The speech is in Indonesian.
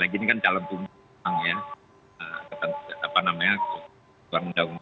lagian ini kan calon tumpang ya apa namanya selama sudah umur